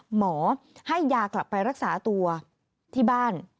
หมอให้ยากลับไปรักษาตัวที่บ้าน